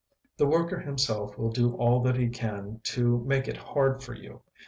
"] The worker himself will do all that he can to make it hard for you.